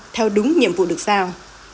theo đúng nhiệm vụ được sao